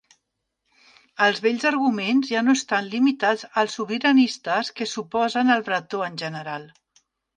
Els vells arguments ja no estan limitats als sobiranistes que s'oposen al bretó en general.